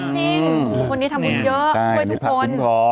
จริงคนนี้ทำบุญเยอะช่วยทุกคน